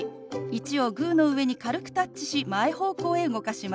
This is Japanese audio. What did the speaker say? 「１」をグーの上に軽くタッチし前方向へ動かします。